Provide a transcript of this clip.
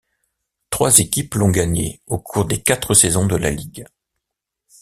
Trois équipes l'ont gagné au cours des quatre saisons de la ligue.